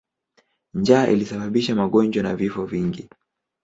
Njaa ilisababisha magonjwa na vifo vingi.